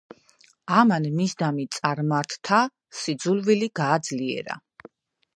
ამან მისდამი წარმართთა სიძულვილი გააძლიერა.